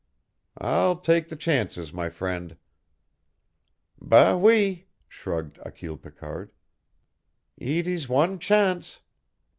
"I'll take the chances my friend." "Bâ oui," shrugged Achille Picard, "eet is wan chance."